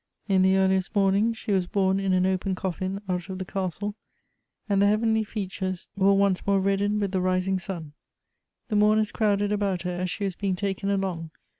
In the earliest morning she was home in an open coffin out of the castle, and the heavenly features were once more reddened with the rising sun. The mourners crowded about her as she was being taken along.